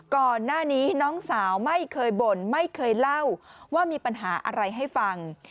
ก่อนหน้านี้น้องสาวไม่เคยบ่นไม่เคยเล่าว่ามีปัญหาอะไรให้ฟัง